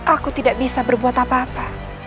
aku tidak bisa berbuat apa apa